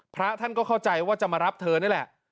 พระท่านก็เข้าใจว่าจะมารับเธอนี่แหละ